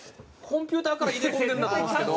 コンピューターから入れ込んでるんだと思うんですけど。